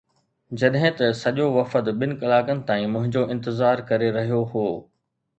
جڏهن ته سڄو وفد ٻن ڪلاڪن تائين منهنجو انتظار ڪري رهيو هو